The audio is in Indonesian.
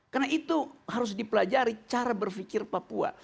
karena itu harus dipelajari cara berpikir papua